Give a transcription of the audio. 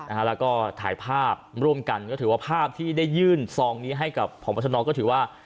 แล้วก็ถ่ายภาพร่วมกันก็ถือว่าภาพที่ได้ยื่นซองนี้ให้กับพบชนก็ถือว่า